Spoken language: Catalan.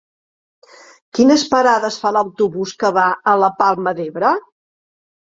Quines parades fa l'autobús que va a la Palma d'Ebre?